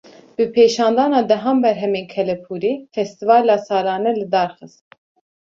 Bi pêşandana dehan berhemên kelepûrî, festîvala salane li dar xist